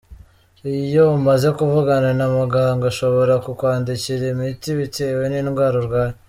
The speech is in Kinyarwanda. Iyo umaze kuvugana na muganga ashobora kukwandikira imiti bitewe n’indwara urwaye.